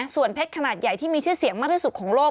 ส่วนเพชรขนาดใหญ่ที่มีชื่อเสียงมากที่สุดของโลก